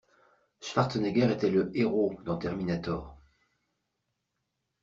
Schwarzenegger était le héros dans Terminator.